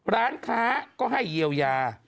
ร้านค้าก็ให้เยียวยา